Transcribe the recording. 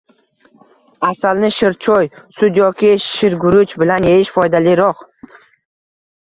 Asalni shirchoy, sut yoki shirguruch bilan yeyish foydaliroq.